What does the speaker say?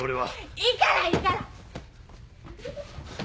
いいからいいから！